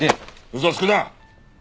嘘をつくな！